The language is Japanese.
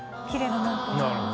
なるほど。